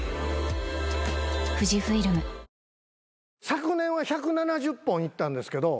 昨年は１７０本行ったんですけど。